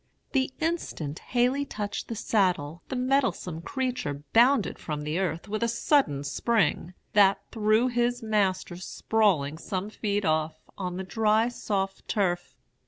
"The instant Haley touched the saddle the mettlesome creature bounded from the earth with a sudden spring, that threw his master sprawling some feet off, on the dry, soft turf.